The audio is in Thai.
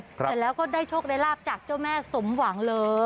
แต่แล้วก็ได้โชคได้ลาบจากเจ้าแม่สมหวังเลย